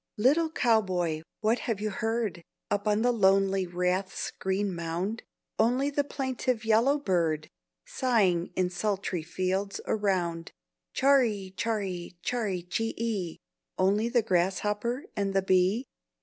Little Cowboy, what have you heard, Up on the lonely rath's green mound? Only the plaintive yellow bird Sighing in sultry fields around, Chary, chary, chary, chee ee! Only the grasshopper and the bee?